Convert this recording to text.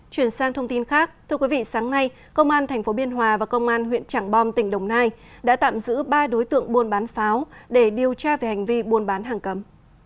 chuyển sang thông tin khác thưa quý vị sáng nay công an tp biên hòa và công an huyện trảng bom tỉnh đồng nai đã tạm giữ ba đối tượng buôn bán pháo để điều tra về hành vi buôn bán hàng cấm